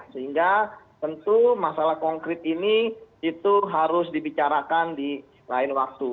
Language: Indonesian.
sehingga tentu masalah konkret ini itu harus dibicarakan di lain waktu